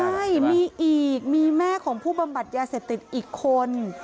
ใช่มีอีกมีแม่ของผู้บำบัดยาเสพติดอีกคน